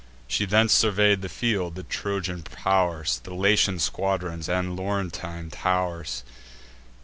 She thence survey'd the field, the Trojan pow'rs, The Latian squadrons, and Laurentine tow'rs.